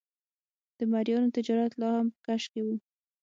د مریانو تجارت لا هم په کش کې و.